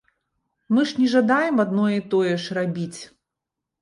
Мы ж не жадаем адно і тое ж рабіць!